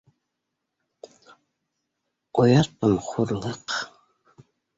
Оят пым, хурлыҡ